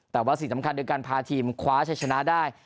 แต่ว่าสิ่งสำคัญโดยการพาทีมคว้าชัยชนะได้